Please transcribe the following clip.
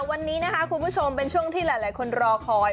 วันนี้นะคะคุณผู้ชมเป็นช่วงที่หลายคนรอคอย